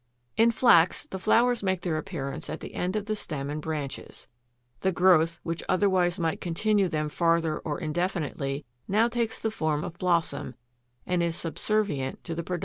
= In Flax the flowers make their appearance at the end of the stem and branches. The growth, which otherwise might continue them farther or indefinitely, now takes the form of blossom, and is subservient to the production of seed.